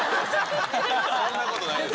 そんなことないです。